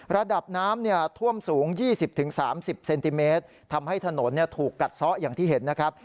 ระดับน้ำท่วมสูง๒๐๓๐เซนติเมตรทำให้ถนนถูกกัดซะอย่างที่เห็นนะครับ